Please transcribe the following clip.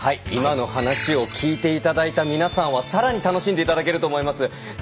今の話を聞いていただいた皆さんはさらに楽しんでいただけると思います。